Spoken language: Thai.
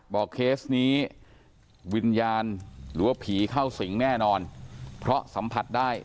เคสนี้วิญญาณหรือว่าผีเข้าสิงแน่นอนเพราะสัมผัสได้